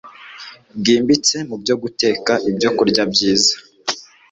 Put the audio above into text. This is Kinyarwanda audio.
bwimbitse mu byo guteka ibyokurya byiza